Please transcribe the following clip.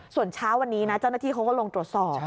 ส่วนเช้าวันนี้นะเจ้าหน้าที่เขาก็ลงตรวจสอบ